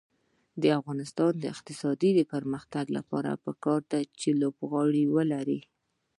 د افغانستان د اقتصادي پرمختګ لپاره پکار ده چې لوبغالي ولرو.